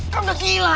kau udah gila